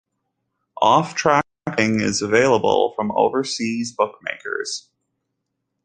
Off-track betting is available from overseas bookmakers.